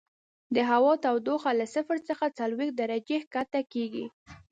د هوا تودوخه له صفر څخه څلوېښت درجې ښکته کیږي